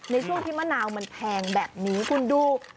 ในช่วงที่มะนาวมันแพงแบบนี้คุณดู